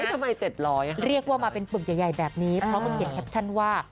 ทำไม๗๐๐เรียกว่ามาเป็นปึกใหญ่แบบนี้พร้อมกับเขียนแคปชั่นว่า